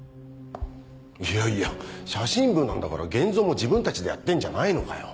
いやいや写真部なんだから現像も自分たちでやってんじゃないのかよ。